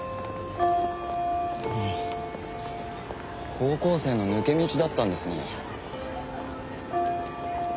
高校生の抜け道だったんですね。